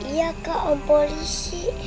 iya kak om polisi